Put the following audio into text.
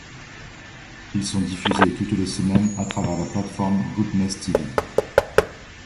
Ils sont diffusés toutes les semaines à travers la plateforme GoodnessTv.